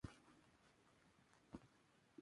La fruta es un aquenio con una vilano de cerdas.